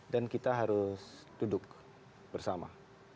dan kita harus duduk bersama